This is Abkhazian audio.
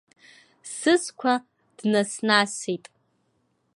Сызқәа днас-насит.